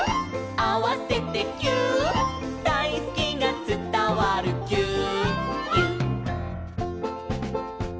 「あわせてぎゅーっ」「だいすきがつたわるぎゅーっぎゅっ」